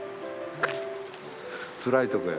つらいとこや。